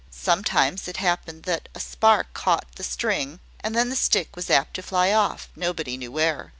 Sometimes it happened that a spark caught the string; and then the stick was apt to fly off, nobody knew where.